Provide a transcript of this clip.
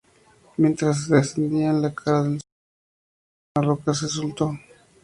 Mientras descendían la cara del sur de la montaña una roca se soltó.